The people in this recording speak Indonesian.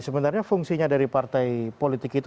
sebenarnya fungsinya dari partai politik itu